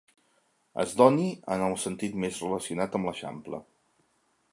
Es doni, en el sentit més relacionat amb l'Eixample.